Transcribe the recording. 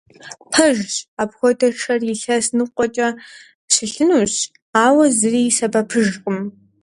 Пэжщ, апхуэдэ шэр илъэс ныкъуэкӀэ щылъынущ, ауэ зыри и сэбэпыжкъым.